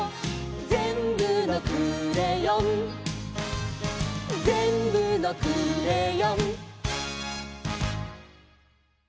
「ぜんぶのクレヨン」「ぜんぶのクレヨン」